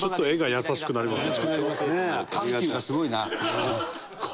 優しくなりますね。